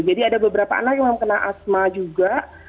jadi ada beberapa anak yang kena asma juga